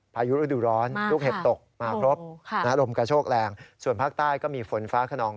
พายุฤดูร้อนลูกเห็บตกมาครบลมกระโชกแรงส่วนภาคใต้ก็มีฝนฟ้าขนอง